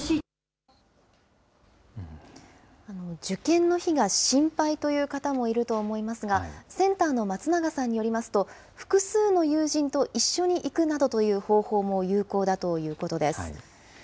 受験の日が心配という方もいると思いますが、センターの松永さんによりますと、複数の友人と一緒に行くなどという方法も有効だということです。